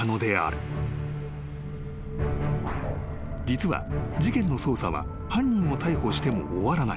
［実は事件の捜査は犯人を逮捕しても終わらない］